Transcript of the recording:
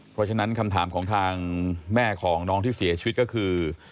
เพราะฉะนั้นคำถามของทางแม่ของน้องที่เสียชีวิตก็คือ